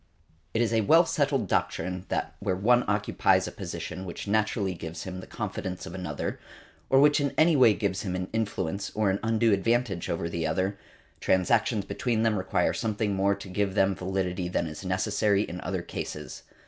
It is a well settled doctrine that where one occupies a position which naturally gives him the confidence of another, or which in any way gives him an influence, or an undue advantage over the other, transactions between them require something more to give them validity than is necessary in other cases.